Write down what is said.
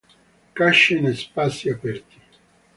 Caccia in spazi aperti.